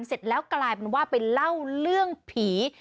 เสร็จแล้วกลายเป็นว่าไปเล่าเรื่องผี